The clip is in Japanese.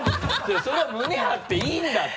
それは胸張っていいんだって。